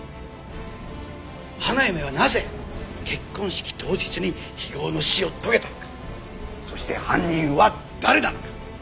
花嫁はなぜ結婚式当日に非業の死を遂げたのかそして犯人は誰なのか。